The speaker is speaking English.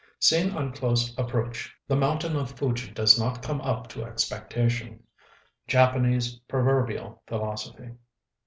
Seen on close approach, the mountain of Fuji does not come up to expectation. _Japanese proverbial philosophy.